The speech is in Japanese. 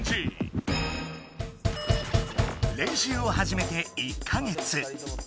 練習をはじめて１か月。